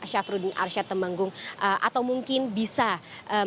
syafrudin arsyad temenggung atau mungkin bisa menciptakan